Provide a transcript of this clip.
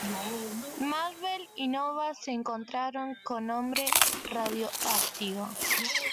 Marvel y Nova se encontraron con Hombre Radioactivo.